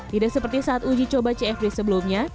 tidak seperti saat uji coba cfd sebelumnya